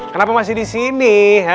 kenapa masih disini